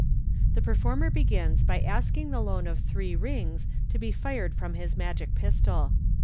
The performer begins by asking the loan of three rings, to be fired from his magic pistol.